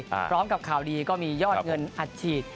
พร้อมกับข่าวดีก็มียอดเงินอัดฉีด